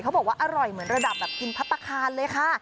เขาบอกว่าอร่อยเหมือนระดับแบบกินพัฒนาคารเลยค่ะ